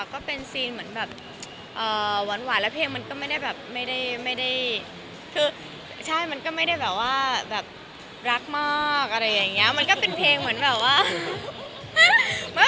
ก็เป็นซีนเหมือนแบบหวานแล้วเพลงมันก็ไม่ได้แบบไม่ได้คือใช่มันก็ไม่ได้แบบว่าแบบรักมากอะไรอย่างเงี้ยมันก็เป็นเพลงเหมือนแบบว่า